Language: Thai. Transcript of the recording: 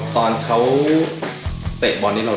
ตอนที่เด็กยันนะครับ